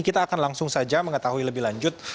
kita akan langsung saja mengetahui lebih lanjut